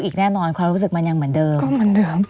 ก็เหมือนเดิม